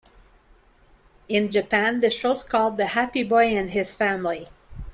In Japan the show's called 'The Happy Boy and His Family.